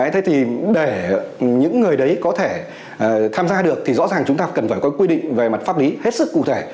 thế thì để những người đấy có thể tham gia được thì rõ ràng chúng ta cần phải có quy định về mặt pháp lý hết sức cụ thể